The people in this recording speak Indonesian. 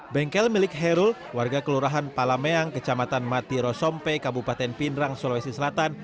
bengkel milik kairul warga kelurahan palameang kecamatan mati rosompe kabupaten pindrang sulawesi selatan